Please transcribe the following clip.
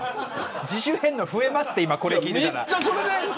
自主返納が増えますってこれ聞いてたら。